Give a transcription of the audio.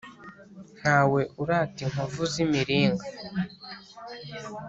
Ntawe urata inkovu z’imiringa.